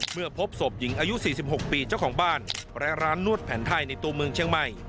เมื่อพบศพหญิงอายุ๔๖ปีเจ้าของบ้านและร้านนวดแผนไทยในตัวเมืองเชียงใหม่